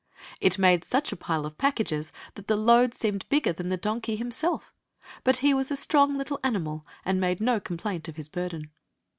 It made such a pile of packages that the load seemed bigger than the donkey himself; but he was a strong little animal, and made no complaint of his burden.